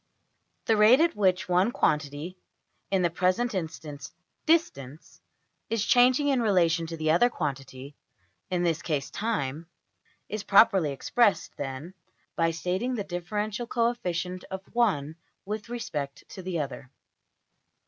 The \emph{rate} at which one quantity (in the present instance, \emph{distance}) is changing in relation to the other quantity (in this case, \emph{time}) is properly expressed, then, by stating the differential coefficient of one with respect to the other.